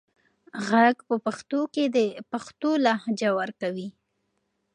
غږ په پښتو کې د پښتو لهجه ورکوي.